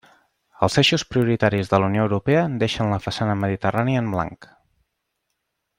Els eixos prioritaris de la Unió Europea deixen la façana mediterrània en blanc.